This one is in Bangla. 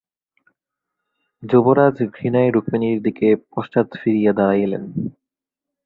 যুবরাজ ঘৃণায় রুক্মিণীর দিকে পশ্চাৎ ফিরিয়া দাঁড়াইলেন।